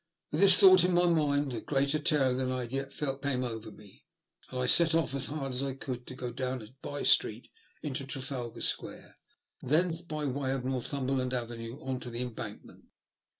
With this thought in my mind, a greater terror than I had yet felt came over me, and I set off as hard as I could go down a bye street into Trafalgar Square, thence by way of Northumberland Avenue on to the Embankment.